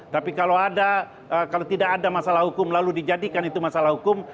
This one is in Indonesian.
tapi kalau tidak ada masalah hukum lalu dijadikan itu masalah hukum